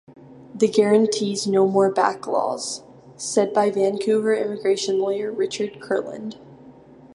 "This guarantees no more backlogs" said by Vancouver immigration lawyer, Richard Kurland.